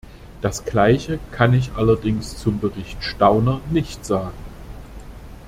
Das gleiche kann ich allerdings zum Bericht Stauner nicht sagen.